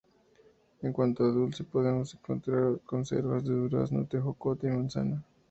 En cuanto a dulce podemos encontrar: conservas de durazno, tejocote y manzana.